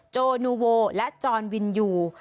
จนูโวและจรวินยู